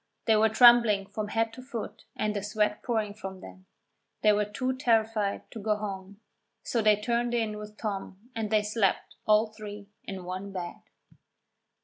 They were trembling from head to foot and the sweat pouring from them. They were too terrified to go home, so they turned in with Tom and they slept, all three, in one bed.